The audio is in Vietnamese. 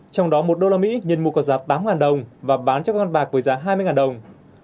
trong đó một đô la mỹ nhân mua có giá tám đồng và bán cho các con bạc với giá hai mươi đồng